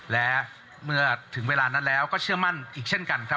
และเมื่อถึงเวลานั้นแล้วก็เชื่อมั่นอีกเช่นกันครับ